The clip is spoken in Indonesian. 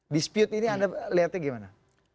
dispute ini anda lihatnya gimana